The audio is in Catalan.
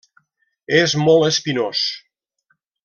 És molt espinós.